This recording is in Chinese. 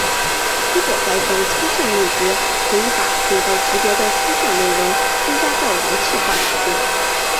通过该种抽象类别可以把更高级别的抽象内容增加到容器化组件。